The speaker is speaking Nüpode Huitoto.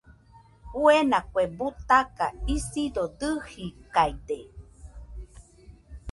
Fuena kue butaka , isido dɨjikaide.